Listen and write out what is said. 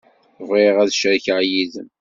Bɣiɣ ad t-cerkeɣ yid-m.